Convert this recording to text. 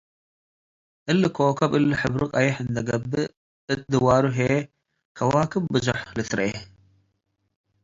እሊ ኮከብ እሊ ሕብሩ ቀዬሕ እንዴ ገብአ፡ እት ድዋሩ ህዬ ከዋክብ ብዞሕ ልትርኤ።